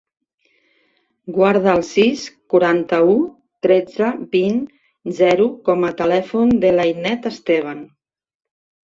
Guarda el sis, quaranta-u, tretze, vint, zero com a telèfon de l'Ainet Esteban.